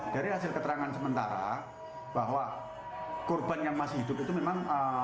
dari hasil keterangan sementara bahwa korban yang masih hidup itu memang